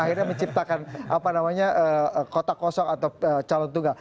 akhirnya menciptakan apa namanya kota kosong atau calon tunggal